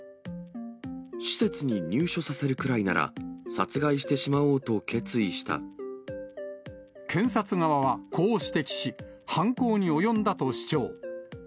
施設に入所させるくらいなら、検察側はこう指摘し、犯行に及んだと主張。